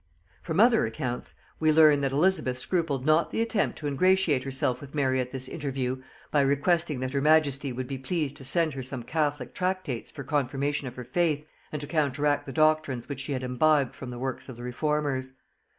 From other accounts we learn, that Elizabeth scrupled not the attempt to ingratiate herself with Mary at this interview by requesting that her majesty would be pleased to send her some catholic tractates for confirmation of her faith and to counteract the doctrines which she had imbibed from the works of the reformers.